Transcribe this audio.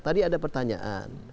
tadi ada pertanyaan